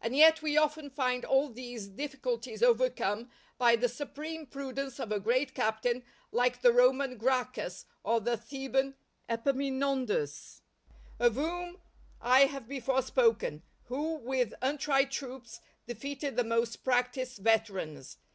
And yet we often find all these difficulties overcome by the supreme prudence of a great captain like the Roman Gracchus or the Theban Epaminondas, of whom I have before spoken, who with untried troops defeated the most practised veterans.